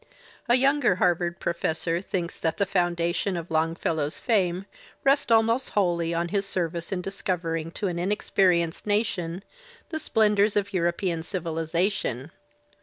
A younger Harvard professor thinks that the foundations of Longfellow's fame rest almost wholly on his service in discovering to an inexperienced nation the splendours of European civilization.